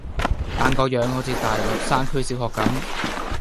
但個樣好似大陸山區小學咁⠀